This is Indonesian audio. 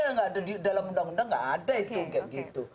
nggak ada di dalam undang undang nggak ada itu